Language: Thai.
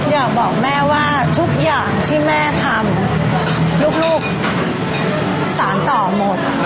อยากบอกแม่ว่าทุกอย่างที่แม่ทำลูกสารต่อหมด